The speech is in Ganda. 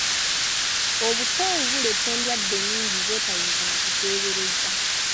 Obukoowu buleeta eddwadde nnyingi z’otoyinza na kuteebereza.